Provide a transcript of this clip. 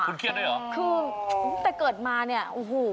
คุณเครียดได้หรือคือแต่เกิดมาเนี่ยโอ้โฮ